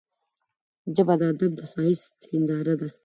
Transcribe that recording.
ژبه د ادب د ښايست هنداره ده